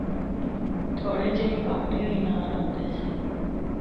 تھوڑے جئے پہانڈے وی نال ہوندے سے۔